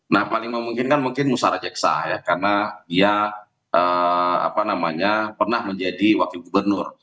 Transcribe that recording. nah paling memungkinkan mungkin musara jeksa ya karena dia pernah menjadi wakil gubernur